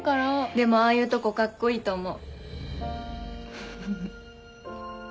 でもああいうとこカッコいいと思う。